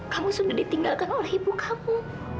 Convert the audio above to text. kamu sudah ditinggalkan oleh ibu kamu